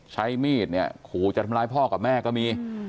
ใช้มีดเนี่ยขู่จะทำร้ายพ่อกับแม่ก็มี